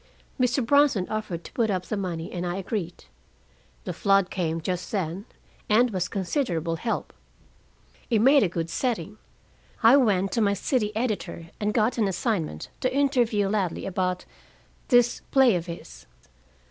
"Mr. Bronson offered to put up the money, and I agreed. The flood came just then, and was considerable help. It made a good setting. I went to my city editor, and got an assignment to interview Ladley about this play of his.